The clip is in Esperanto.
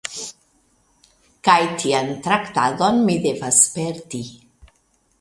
Kaj tian traktadon mi devas sperti!